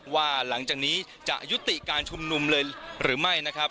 หลังจากนี้จะยุติการชุมนุมเลยหรือไม่นะครับ